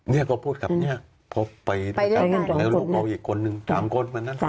เนี่ยเขาพูดกับเนี่ยเพราะไปกับลูกเราอีกคนหนึ่ง๓คนเหมือนนั้น